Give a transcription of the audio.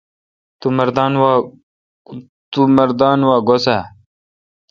تو مردان وا گوسہ اؘ